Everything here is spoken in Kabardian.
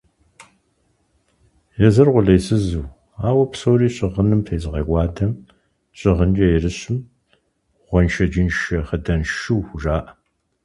Езыр къулейсызу, ауэ псори щыгъыным тезыгъэкӀуадэм, щыгъынкӀэ ерыщым гъуэншэджыншэ хъыданшу хужаӀэ.